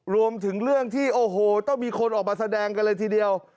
รวมถึงเรื่องที่โอ้โหต้องมีคนออกมาแสดงกันเลยทีเดียว